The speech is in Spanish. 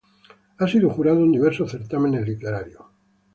Ha sido jurado en diversos certámenes literarios.